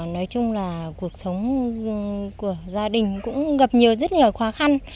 nói chung là cuộc sống của gia đình cũng gặp nhiều rất nhiều khó khăn